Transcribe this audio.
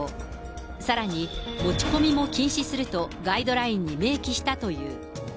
さらに、持ち込みも禁止するとガイドラインに明記したという。